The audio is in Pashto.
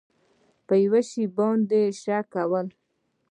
په یو شي باندې شک کول